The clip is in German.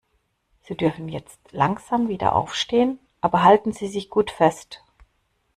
Sie dürfen jetzt langsam wieder aufstehen, aber halten Sie sich gut fest.